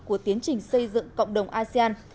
của tiến trình xây dựng cộng đồng asean